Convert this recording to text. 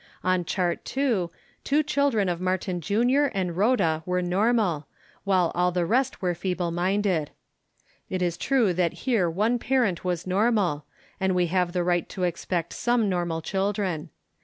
On Chart II, two children of Martin Jr. and Rhoda were normal, while all the rest were feeble minded. It is true that here one parent was normal, and we have the right to expect some nor mal children.